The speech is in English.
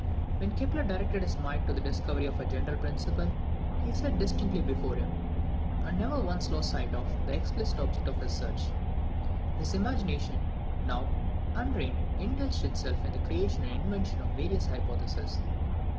When Kepler directed his mind to the discovery of a general principle, he set distinctly before him, and never once lost sight of, the explicit object of his search. His imagination, now unreined, indulged itself in the creation and invention of various hypotheses.